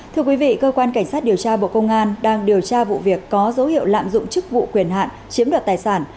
thưa quý vị cơ quan cảnh sát điều tra bộ công an đang điều tra vụ việc có dấu hiệu lạm dụng chức vụ quyền hạn chiếm đoạt tài sản